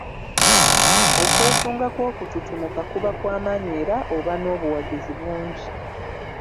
Okwesunga kw’okututumuka kuba kwa maanyi era oba n’obuwagizi bungi.